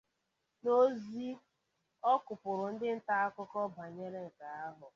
N'ozi ọ kụpụụrụ ndị nta akụkọ banyere nke ahụ